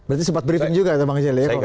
berarti sempat briefing juga ya pak angga sjelil